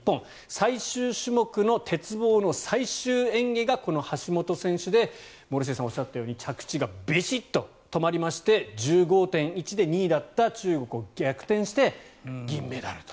最終種目の鉄棒の最終演技がこの橋本選手で森末さんがおっしゃったように着地がびしっと止まりまして１５．１で２位だった中国を破って逆転して、銀メダルと。